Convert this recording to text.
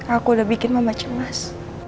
aku udah bikin mama cemas